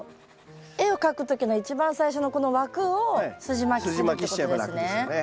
絵を描く時の一番最初のこの枠をすじまきするってことですね。